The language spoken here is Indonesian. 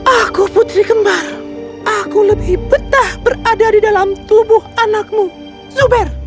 aku putri kembar aku lebih betah berada di dalam tubuh anakmu zuber